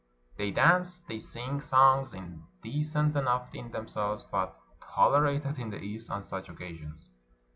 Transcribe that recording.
They dance, they sing songs, indecent enough in themselves, but tolerated in the East on such occasions.